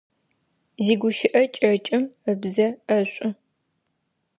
Зигущыӏэ кӏэкӏым ыбзэ ӏэшӏу.